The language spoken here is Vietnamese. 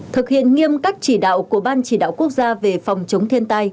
thực hiện nghiêm các chỉ đạo của ban chỉ đạo quốc gia về phòng chống thiên tai